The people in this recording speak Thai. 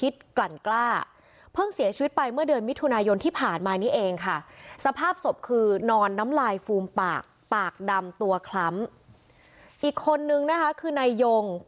แบบนี้เองค่ะสภาพศพคือนอนน้ำลายฟูมปากปากดำตัวคล้ำอีกคนนึงนะคะคือในยง